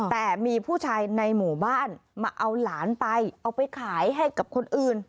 แต่มีผู้ชายในหมู่บ้านมาเอาหลานไปเอาไปขายให้กับคนอื่น